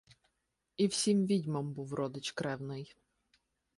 І всім відьмам був родич кревний